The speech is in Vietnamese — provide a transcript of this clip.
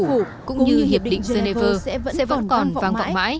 cũng như hiệp định geneva sẽ vẫn còn vang vọng mãi